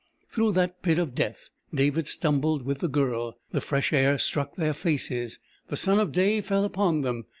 Through that pit of death David stumbled with the Girl. The fresh air struck their faces. The sun of day fell upon them.